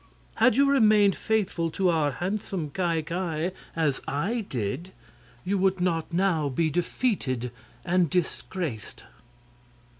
Had you remained faithful to our handsome Ki Ki, as I did, you would not now be defeated and disgraced."